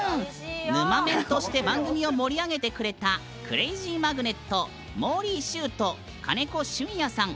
ぬまメンとして番組を盛り上げてくれたくれいじーまぐねっともーりーしゅーと、金子隼也さん